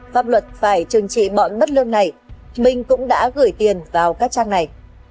pháp luật phải trừng trị bọn mất lương này mình cũng đã gửi tiền vào các trang này